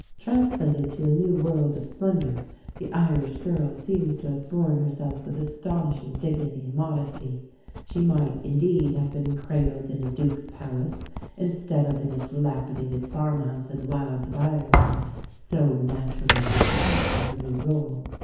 Translated to a new world of splendour the Irish girl seems to have borne herself with astonishing dignity and modesty. She might, indeed, have been cradled in a Duke's palace, instead of in a "dilapidated farmhouse in the wilds of Ireland," so naturally did she take to her new rôle.